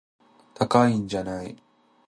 高いんじゃない